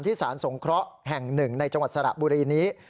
สารสงเคราะห์แห่งหนึ่งในจังหวัดสระบุรีนี้